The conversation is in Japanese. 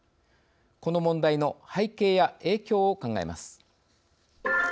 この問題の背景や影響を考えます。